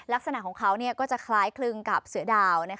ลักษณะของเขาก็จะคล้ายคลึงกับเสือดาว